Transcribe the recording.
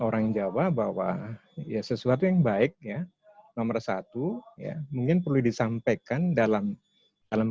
orang jawa bahwa ya sesuatu yang baik ya nomor satu ya mungkin perlu disampaikan dalam dalam